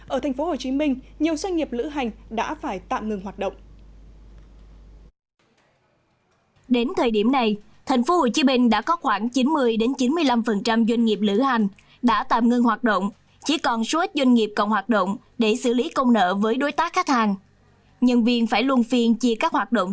ở thành phố hồ chí minh nhiều doanh nghiệp lữ hành đã phải tạm ngừng hoạt động